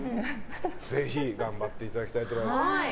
ぜひ頑張っていただきたいと思います。